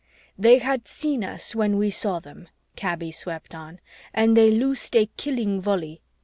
"They had seen us when we saw them," Kaby swept on, "and they loosed a killing volley.